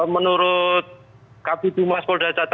menurut kabupaten jumat polda